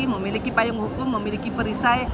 memiliki payung hukum memiliki perisai